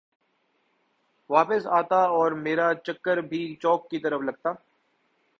واپس آتا اورمیرا چکر بھی چوک کی طرف لگتا